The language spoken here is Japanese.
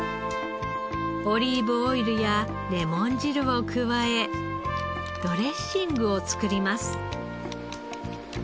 オリーブオイルやレモン汁を加えドレッシングを作ります。